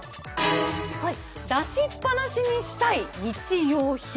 出しっぱなしにしたい日用品。